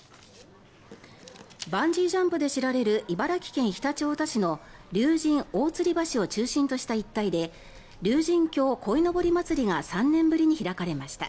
バンジージャンプで知られる茨城県常陸太田市の竜神大吊橋を中心とした一帯で竜神峡鯉のぼりまつりが３年ぶりに開かれました。